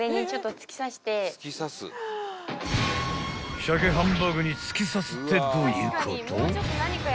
［鮭ハンバーグに突き刺すってどういうこと？］